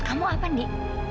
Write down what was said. kam bcb bador